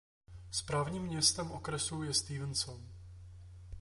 Správním městem okresu je Stevenson.